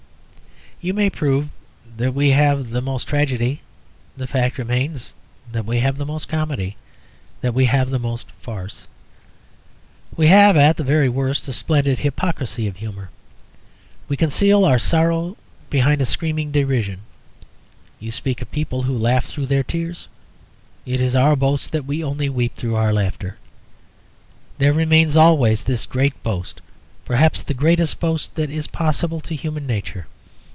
You may prove that we have the most tragedy; the fact remains that we have the most comedy, that we have the most farce. We have at the very worst a splendid hypocrisy of humour. We conceal our sorrow behind a screaming derision. You speak of people who laugh through their tears; it is our boast that we only weep through our laughter. There remains always this great boast, perhaps the greatest boast that is possible to human nature.